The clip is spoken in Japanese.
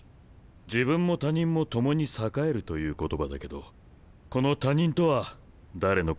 自分も他人も共に栄えるという言葉だけどこの他人とは誰のことか分かるかい？